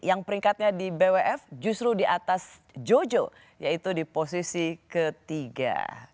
yang peringkatnya di bwf justru di atas jojo yaitu di posisi ketiga